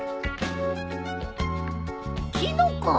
キノコ！？